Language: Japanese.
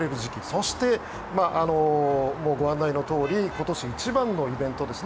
そしてご案内のとおり今年一番のイベント